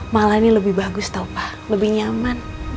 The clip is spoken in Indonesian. malah ini lebih bagus tau pak lebih nyaman daripada di penjara